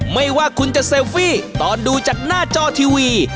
ไม่ว่าคุณจะเซลฟี่ตอนดูจากหน้าจอทีวี